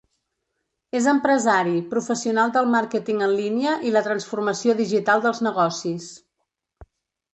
És empresari, professional del màrqueting en línia i la transformació digital dels negocis.